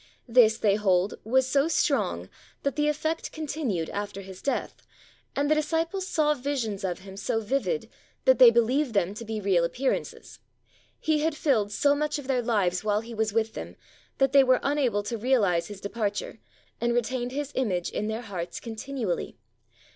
This, they hold, was so strong that the effect continued after His death, and the disciples saw visions of Him so vivid that they believed them to be real appearances. He had filled so much of their lives while He was with them, that they were unable to realise His departure, and retained His image in their hearts continually.